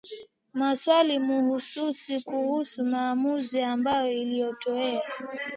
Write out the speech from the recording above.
maswali mahususi kuhusu maamuzi ambayo aliyatoa